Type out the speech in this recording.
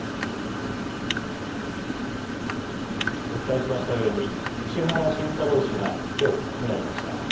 お伝えしましたように、石原慎太郎氏がきょう、亡くなりました。